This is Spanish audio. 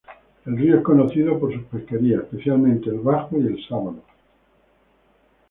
El río es conocido por sus pesquerías, especialmente el bajo y el sábalo.